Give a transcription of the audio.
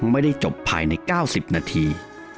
ไม่ได้จบภายในเก้าสิบนาที